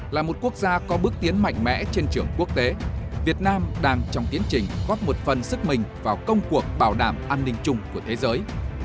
là một quốc gia có bước tiến mạnh mẽ trên trường quốc tế việt nam đang trong tiến trình góp một phần sức mình vào công cuộc bảo đảm an ninh chung của thế giới